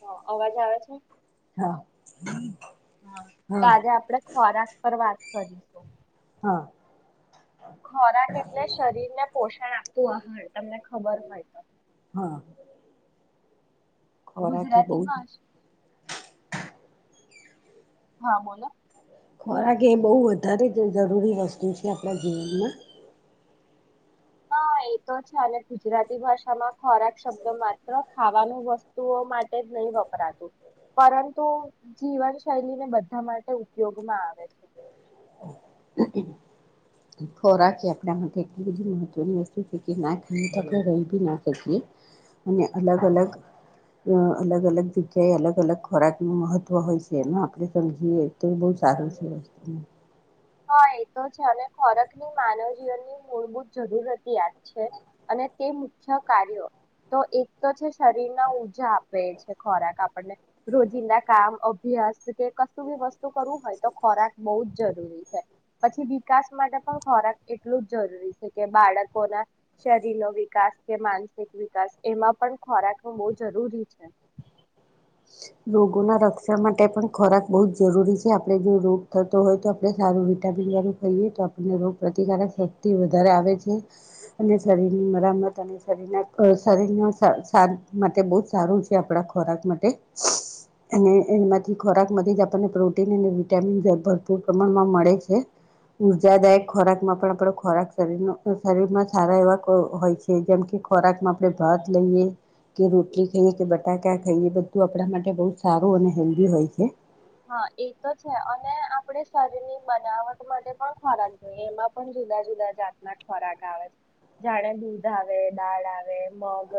હા, અવાજ આવે છે? હા હા, તો આજે આપડે ખોરાક પર વાત કરીસો. હા. ખોરાક એટલે શરીર ને પોષણ આપતું આહ. [unintelligible] તમને ખબર હોય તો હા ખોરાક એ બહુ ગુજરાતી ભાષ હા, બોલો. ખોરાક એ બો વધારે જ જરૂરી વસ્તુ છે, આપણા જીવનમાં હા એ તો છે અને ગુજરાતી ભાષામાં ખોરાક શબ્દ માત્ર, ખાવાનું વસ્તુઓ માટે જ નહીં વપરાતું પરંતુ જીવનશૈલીને બધા માટે ઉપયોગમાં આવે છે. ખોરાક એ આપણા માટે એટલી બધી મહત્ત્વની વસ્તુ છે કે, ના ખાયે તો આપણે રહી બી ના શકીએ અને અલગ અલગ અલગ અલગ જગ્યાએ અલગ અલગ ખોરાકનું મહત્ત્વ હોય છે. એમાં આપણે સમજીએ તો બો સારું છે વસ્તુ નું હા, એ તો છે અને ખોરાકની માનવ જીવનની મૂળભૂત જરૂરિયાત છે અને તે મુખ્ય કાર્યો, તો એક તો છે શરીર ના ઉર્જા પ રહે છે. ખોરાક આપણને રોજિંદા કામ, અભ્યાસ કે કશું બી વસ્તુ તો કરવું હોય તો ખોરાક બો જ જરૂરી છે પછી વિકાસ માટે પણ ખોરાક એટલું જ જરૂરી છે કે બાળકોના શરીર નો વિકાસ કે માનસિક વિકાસ એમાં પણ ખોરાક ન બહુ જરૂરી છે. રોગોના રક્ષણ માટે પણ ખોરાક બહુ જ જરૂરી છે. આપણે જો રોગ થતો હોય તો આપણે સારું વિટામીન વાળું ખાઈએ તો આપને રોગ પ્રતિકારક શક્તિ વધારે આવે છે અને શરીરની મરામત અને શરીરના-શરીરનો સાર-સાર માટે બહુ સારું છે આપણા ખોરાક માટે અને એમાંથી ખોરાકમાંથી જ આપણને પ્રોટીન અને વિટામીન ભરપૂર પ્રમાણમાં મળે છે ઉર્જાદાયક ખોરાકમાં પણ ખોરાક શરીનો-શરીરમાં સારા એવા હોય છે જેમ કે ખોરાકમાં આપણે ભાત લઈએ કે રોટલી ખાઈએ કે બટાકા ખાઈએ તો તું આપણા માટે બહુ સારું અને હેલ્ધી હોય છે. હા, એ તો છે અને આપણે શરીની બનાવટ માટે પણ ખોરાક જોઈએ એમાં પણ જુદા જુદા જાતના ખોરાક આવે છે જાણે દૂધ આવે દાળ આવે મગ,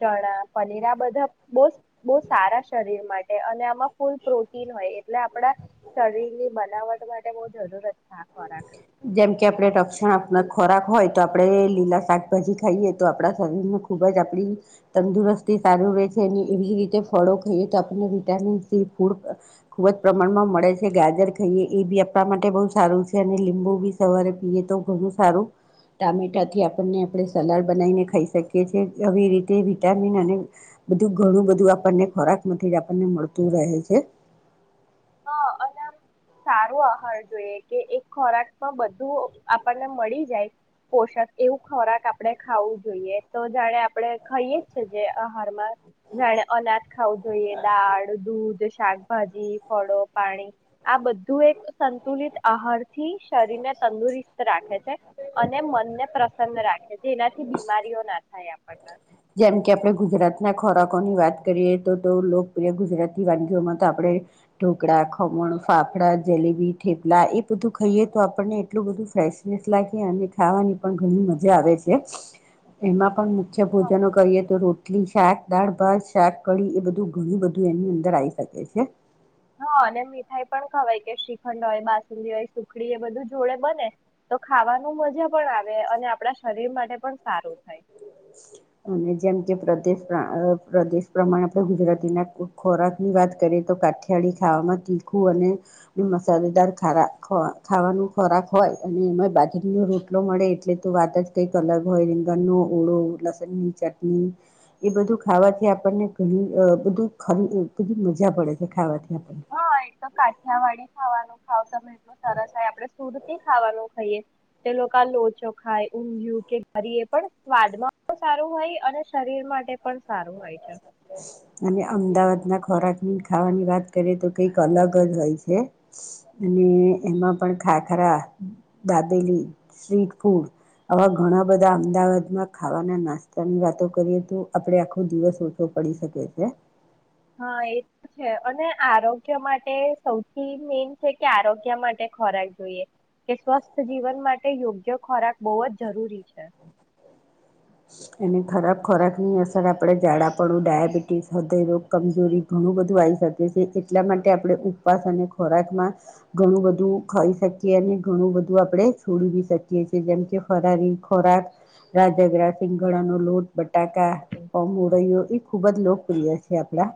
ચણા, પનીર આ બધા બો બો સારા શરીર માટે અને આમાં ફૂલ પ્રૂફ પ્રોટીન હોય એટલે આપડા શરીરની બનાવટ માટે બો જરૂરતના ખોરાક જેમ કે આપણે રક્ષણ આપનાર ખોરાક હોય તો આપડણે લીલા શાકભાજી ખાઈએ તો આપડા શરીરમાં ખુબ જ આપડી તંદુરસ્તી સારું રે છે અને એવી રીતે ફળો ખાઈએ તો આપને વિટામિન સી ફૂડ ખુબ જ પ્રમાણમાં મળે છે ગાજર ખાઈએ એ બી આપણા માટે બહ સારું છે અને લીબુ બી સવારે પીએ તો ઘણું સારું ટામેટાથી આપને આપણે સલાડ બનાવીને ખાઈ શકીએ છેએ આવી રીતે વિટામિન અને બધું ઘણું બધું આપને ખોરાકમાંથી જ આપને મળતું રહે છે. હા, અનામ સારો આહાર જોઈએ કે એક ખોરાકમાં બધું આપણને મળી જાય પોષક એવું ખોરાક આપણે ખાવું જોઈએ તો જાણે આપણે ખાઈએ જ છે જે આહારમાં જાણે અનાજ ખાવું જોઈએ દાળ, દૂધ, શાકભાજી ફળો પાણી આ બધું એક સંતુલિત આહાર થી શરીર ને તંદુરસ્ત રાખે છે અને મનને પ્ર પ્રસન્ન રાખે જેનાથી બીમારીઓ ના થાય આપણન. જેમ કે આપણે ગુજરાતના ખોરાકોની વાત કરીએ તો તો લોકપ્રિય ગુજરાતી વાનગીઓમાં તો આપણે ઢોકળા, ખમણ, ફાફડા, જલેબી, થેપલા એ બધું ખાઈએ તો આપણને એટલું બધું ફેશનેસ લાગી અને ખાવાની પણ ઘણી મજા આવે છે. એમાં પણ મુખ્ય ભોજ બીજા હા. નો કરીએ તો રોટલી-શાક, દાળ-ભાત, શાક, કઢી એ બધું ઘણું બધું એની અંદર આવી શકે છે. હા, અને મીઠાઈ પણ ખવાય કે શ્રીખંડ હોય બાસુંદી હોય સુખડી એ બધું જોડે બને તો ખાવાનું મજા પણ આવે અને આપણા શરીર માટે પણ સારું થાય. અને જેમ કે પ્રદેશના-પ્રદેશ પ્રમાણે આપણે ગુજરાતીના ખોરાક ની વાત કરીએ તો કાઠિયાળી ખાવામાં તીખું અને મસાલેદાર ખારા ખાવા-ખાવાનો ખોરાક હોય અને એમાં બાજરીનો રોટલો મળે એટલે તો વાત જ કંઈક અલગ હોય રીંગણનો ઓળો, લસણની ચટણી એ બધું ખાવાથી આપણને ઘણી બધું ખરી બધી મજા પડે છે ખાવાથી. આપણને હા, એ તો કાઠિયાવાડી ખાવાનું ખાવ એટલ સરસ આપડે શરૂ થી ખાવાનું ખાઈએ તે લોકો આ લોચો ખાય, ઊંધિયું કે ઘરીએ પણ સ્વાદમાં સારું હોય અને શરીર માટે પણ સારું હોય છે અને અમદાવાદ ના ખોરાકની ખાવાની વાત કરીએ તો કંઈક અલગ જ હોય છે અને એમાં પણ ખાખરા, દાબેલી, સ્ટ્રીટ ફૂડ આવા ઘણા બધા અમદાવાદમાં ખાવાના નાસ્તાની વાતો કરીએ તો આપડે આખો દિવસ ઓછો પડી શકે છે. હા એ તો છે અને આરોગ્ય માટે સૌથી મેન છે કે આરોગ્ય માટે ખોરાક જોઈએ કે સ્વસ્થ જીવન માટે યોગ્ય ખોરાક બહુ જ જરૂરી છે. અને ખરાબ ખોરાકની અસર આપણે ઝડાપડું ડાયાબિટીસ, હૃદયરોગ, કમજોરી ઘણું બધું આવી શકી છીએ એટલા માટે આપણે ઉપવાસ અને ખોરાકમાં ઘણું બધું ખાઈ શકીએ અને ઘણું બધું આપણે છોડી શકીએ છીએ જેમ કે ફરારી ખોરાક [unintelligible] પીંગળનોો લોટ, બટાકા, [unintelligible] મોરૈયો એ ખૂબ જ લોકપ્રિય છે આપણા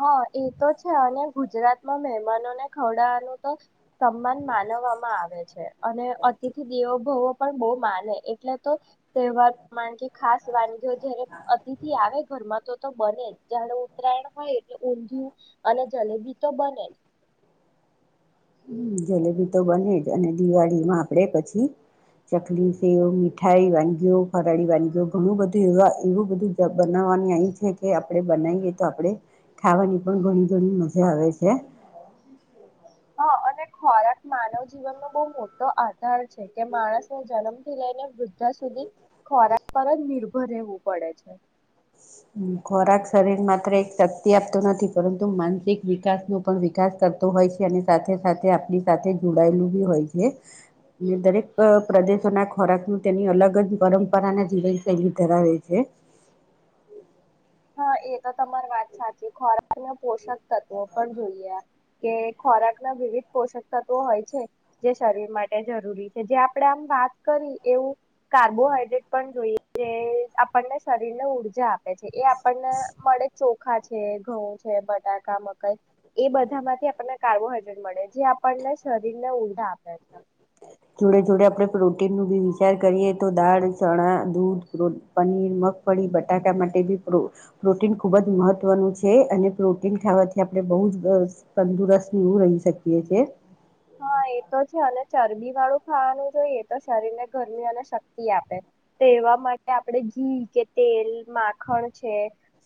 હા, એ તો છે અને ગુજરાતમાં મહેમાનોને ખવડાાવવાનું તો સન્માન માનવામાં આવે છે. અને અતિથિ દેવો અનુભવો પણ બહુ માને એટલે તો તહેવાર મા જે ખાસ વાનગી જ્યારે અતિથિ આવે ઘર માં તો-તો બને જ જાણે ઉત્તરાયણ હોય એટલે ઊંધિયું અને જલેબી તો બને જ. જલેબી તો બને જ અને દિવાળીમાં આપણે પછી ચકલી-સેવ, મીઠાઈ વાનગીયો ફરાળી વાનગી ઘણું બધું એ એવું બધું બનાવવાની આય છે કે આપણે બનાવીએ તો આપણેે ખાવાની પણ ઘણી ઘણી મજા આવે છે. હા અને ખોરાક માનવ જીવનનોો બહુ મોટો આધાર છે કે માણસને જન્મ થી લઈને વૃદ્ધા સુધી ખોરાક પર જ નિર્ભર રહેવું પડે છે. ખોરાક શરીર માત્ર એક શક્તિ આપતો નથી પરંતુ માનસિક વિકાસ ન પણ વિકાસ કરતો હોય છે અને સાથે સાથે આપણી સાથે જોડાયેલું બી હોય છે દરેક પ્રદેશોના ખોરાકનું તેની અલગ જ પરંપરાના જીવન શૈલી ધરાવે છે. હા એ તો તમારી વાત સાચી ખોરાકના પોષક તત્વો પણ જોઈએ કે ખોરાક ના વિવિધ પોષક તત્વો હોય છે જે શરીર માટે જરૂરી છે જે આપણે આમ વાત કરી એવું કાર્બોહાઈડ્રેટ પણ જોઈએ જે આપણને શરીરને ઉર્જા આપે છે એ આપને મળે જો ચોખા છે, ઘઉં છે, બટાકા, મકાઈ એ બધા માંથી આપણને કાર્બોહાઈડ્રેટ મળે જે આપણને શરીરને ઊર્જા આપે છે. જોડે જોડે આપણે પ્રોટીનનું ભી વિચાર કરીએ તો દાળ, ચણા, દૂધ, પનીર, મગફળી, બટાકા માટેી પ્રો-પ્રોટીન ખુબ જ મહત્વનું છે અને પ્રોટીન ખાવાથી આપણે બહુ જ તંદુરસ્ત એવું રહી શકીએ છીએ. હા એતો છે હલે ચરબી વાળું ખાવાનું જોઈએ તો શરીર ને ગરમી અને શક્તિ આપે તો એવા માટે આપણે ઘી કે તેલ માખણ છે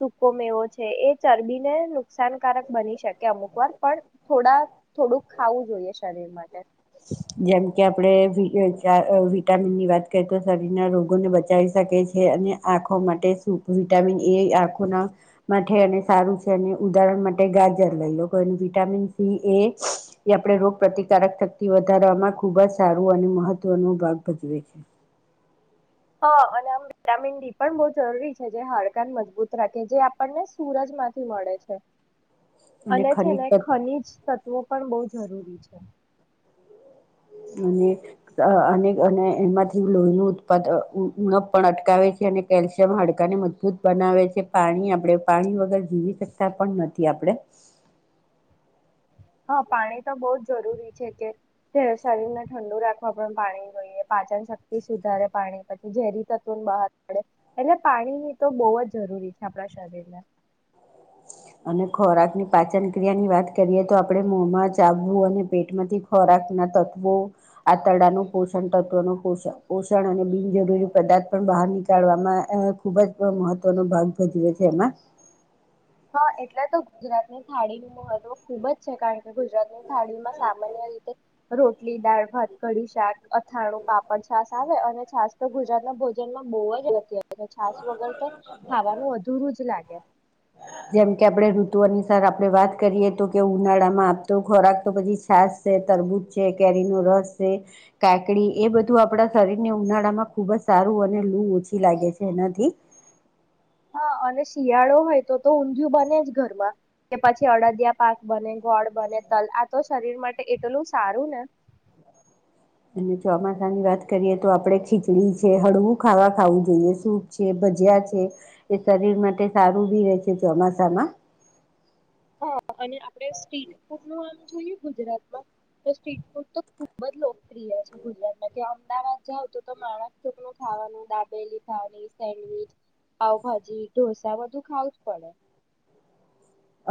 સૂકો મેવો છે એ ચરબીને નુકસાનકારક બની શકે અમુક વાર પણ થોડા થોડુંક ખાવું જોઈએ શરીર માટે જેમ કે આપણે વિટામિન ની વાત કરીએ તો શરીરના રોગોને બચાવી શકે છે અને આંખો માટે વિટામિન એ આંખો ના માટે અને સારું છે અને ઉદાહરણ માટે ગાજર લઈ લો વિટામિન સી એ આપણે રોગ પ્રતિકારક થ થી વધારવામાં ખૂબ જ સારું અને મહત્વનો ભાગ ભજવે છે હા અને આમ વિટામિન ડી પણ બહુ જરૂરી છે જે હાડકાન મજબૂત રાખે જે આપણને સૂરજ માંથી મળે છે અને છેને ખનીજ તત્વો પણ બહુ જરૂરી છે અને અને અને એમાંથી લોહીનું ઉત્પાદન ઉણપ પણ અટકાવે છે અને કેલ્શિયમ હાડકાને મજબૂત બનાવે છે પાણી આપણે પાણી વગર જીવી શકતા પણ નથી આપણે હા પાણી તો બહુ જ જરૂરી છે કે શરીરને ઠંડુ રાખવા પણ પાણી જોઈએ પાચન શક્તિ સુધારે પાણી પછી ઝેરી તત્વોને બહાર પડે એટલે પાણીની તો બહુ જ જરૂરી છે આપણા શરીરને અને ખોરાક ની પાચન ક્રિયા ની વાત કરીએ તો આપણે મોમાં ચાગવું અને પેટમાંથી ખોરાક ના તત્વો આંતરડાનું પોષણ તત્વનું પોષણ પોષણ અને બિનજરૂરી પદાર્થ પણ બહાર નીકળવામાં ખૂબ જ મહત્વનો ભાગ ભજવે છે એમાં હા એટલે તો ગુજરાતની થાળી નું મહત્વ ખુબ જ છે કારણ કે ગુજરાતની થાળીમાં સામાન્ય રીતે રોટલી દાળ ભાત કડી શાક અથાણું પાપડ છાસ આવે અને છાસ તો ગુજરાતના ભોજનમાં બહુ જ અત એ છાસ વગર તો ખાવાનું અધુરું જ લાગે જેમ કે આપણે ઋતુ અનુસાર આપણે વાત કરીએ તો કે ઉનાળામાં આપતો ખોરાક તો પછી છાસ છે તરબૂજ છે કેરીનો રસ છે કાકડી એ બધું આપણા શરીરને ઉનાળામાં ખૂબ જ સારું અને લૂ ઓછી લાગે છે એનાથી હા અને શિયાળો હોય તો તો ઊંધિયું બને જ ઘરમાં કે પછી અડદિયા પાક બને ગોળ બને તલ આ તો શરીર માટે એટલું સારું ને અને ચોમાસાની વાત કરીએ તો આપણે ખીચડી છે હળવું ખાવા ખાવું જોઈએ સૂપ છે ભજીયા છે એ શરીર માટે સારું બી રહે છે ચોમાસામાં હા અને આપડણે સ્ટ્રીટ ફૂડ નું આમ જોઈએ ગુજરાતમાં તો સ્ટ્રીટ ફૂડ તો ખુબ જ લોકપ્રિય છે ગુજરાતમાં કે અમદાવાદ જાવ તો તો માણક ચોક નું ખાવાનું દાબેલી ખાવાની સેન્ડવીચ પાવભાજી ઢોસા બધું ખાવું જ પડે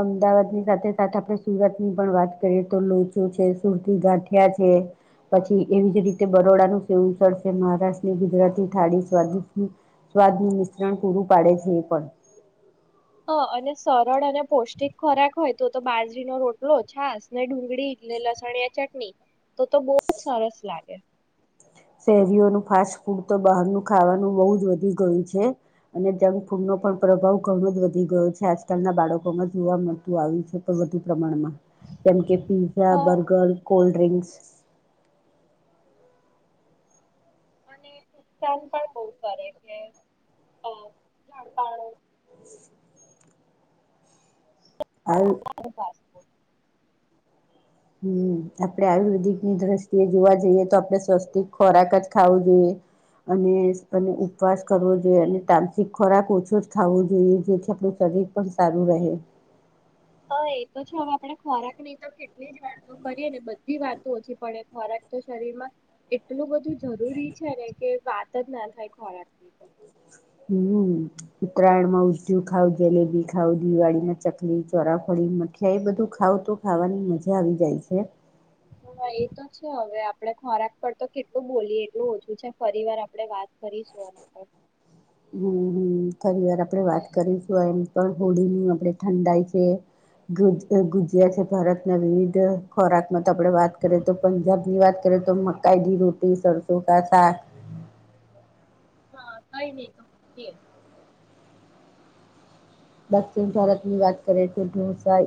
અમદાવાદની સાથે સાથે આપણે સુરતની પણ વાત કરીએ તો લોચો છે સુરતી ગાંઠિયા છે પછી એવી જ રીતે બરોડાનું સેવું ચળશે મહારાષ્ટ્રની ગુજરાતી થાળી સ્દ સ્વાદનું મિશ્રણ પૂરું પાડે છે એ પણ હા અને સરળ અને પૌષ્ટિક ખોરાક હોય તો તો બાજરીનો રોટલો છાસ ને ડુંગળી એટલે લસણિયા ચટણી તો તો બહુ જ સરસ લાગે શહેરીઓનું ફાસ્ટ ફૂડ તો બહારનું ખાવાનું બહુ જ વધી ગયું છે અને જંક ફૂડ ન પણ પ્રભાવ ઘણો જ વધી ગયો છે આજકાલના બાળકોમાં જોવા મળતું આવ્યું છે પણ વધુ પ્રમાણમાં જેમ કે પીઝા હા બર્ગર કોલ ડ્રિંક્સ અને નુકસાન પણ બહુ કરે કે ઝાડપાણ [inaudible] આ હમ આપણેે આયુર્વેદિકની દ્રષ્ટિએ જોવા જઈએ તો આપડણે સ્વસ્તી ખોરાક જ ખાવું જોઈએ અને અને ઉપવાસ કરવો એમ તામસિક ખોરાક ઓછો જ ખાવો જોઈએ. જેથી આપડુ શરીર પણ સારું રહે. હા એ તો છે હવે આપણે ખોરાક ની તો કેટલી જ વાતો કરીએ ને બધી વાતો ઓછી પડે ખોરાક તો શરીરમાં એટલું બધું જરૂરી છે ને કે વાત જ ના થાય ખોરાકની તો. હમ્મ, ઉત્તરાયણ માં ઉધયુ ખાવ, જલેબી ખાવ, દિવાળી ના ચકલી, ચોરાફળી, મઠિયા એ બધું ખાવ તો ખાવાની મજા આવી જાય છે. હા એતો છે. હવે આપડે ખોરાક પર તો કેટલું બોલીએ એટલું ઓછું છે. ફરી વાર આપણેે વાત કરીશું એના પર. હમ્મ, હમ્મ ખરી વા પડે વાત કરીશું એમ. પણ હોળીની આપડે ઠંડાઈ છે, ગુજ એ ગુજયા છે ભારતના વિવિધ તે ખોરાક ને આપડે વાત કરીએ તો પંજાબ ની વાત કરીએ. તો મકાઈ દી રોટી, સરસો કા સાક. હા કઈ નહી એ તો કે. દક્ષિણ ભારતની વાત કરીએ તો ધૂસાઈ